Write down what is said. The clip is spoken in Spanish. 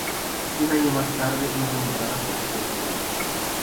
Un año más tarde es nombrada profesora titular.